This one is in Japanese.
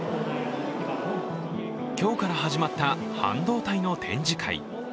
今日から始まった半導体の展示会。